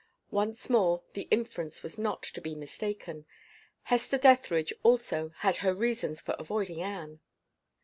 Once more the inference was not to be mistaken. Hester Dethridge, also, had her reasons for avoiding Anne.